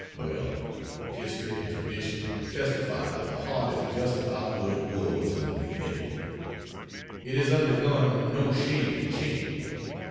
Well, history and tradition testify that the heart is just about what it was in the beginning; it has undergone no shade of change.